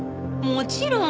もちろん！